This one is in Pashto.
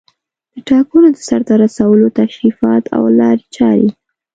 د ټاکنو د سرته رسولو تشریفات او لارې چارې